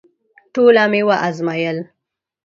ټوله مي وازمایل …